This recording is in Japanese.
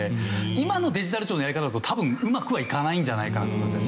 今のデジタル庁のやり方だと多分うまくはいかないんじゃないかなと思いますね。